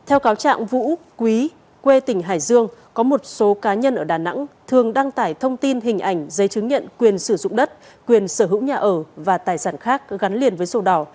theo cáo trạng vũ quý quê tỉnh hải dương có một số cá nhân ở đà nẵng thường đăng tải thông tin hình ảnh giấy chứng nhận quyền sử dụng đất quyền sở hữu nhà ở và tài sản khác gắn liền với sổ đỏ